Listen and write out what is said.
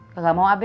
gak mau abe